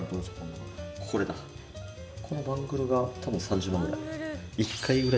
このバングルが３０万ぐらい。